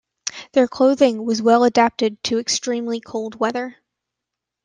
Their clothing was well adapted to extremely cold weather.